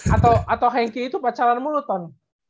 atau henki itu pacaranmu loh ton